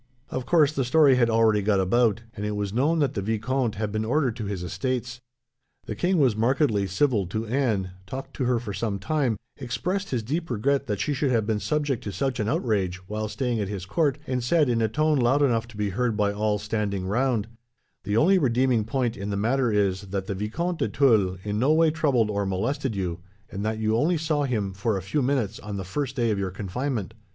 Of course, the story had already got about, and it was known that the vicomte had been ordered to his estates. The king was markedly civil to Anne, talked to her for some time, expressed his deep regret that she should have been subject to such an outrage, while staying at his court, and said, in a tone loud enough to be heard by all standing round: "'The only redeeming point in the matter is, that the Vicomte de Tulle in no way troubled or molested you, and that you only saw him, for a few minutes, on the first day of your confinement.'